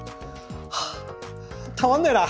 はぁたまんねえな。